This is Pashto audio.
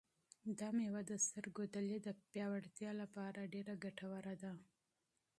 دا مېوه د سترګو د لید د پیاوړتیا لپاره ډېره ګټوره ده.